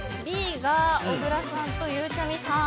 Ｂが小倉さんとゆうちゃみさん。